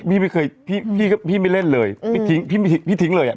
พี่ไม่เคยพี่พี่ไม่เล่นเลยไม่ทิ้งพี่ไม่ทิ้งพี่ทิ้งเลยอ่ะ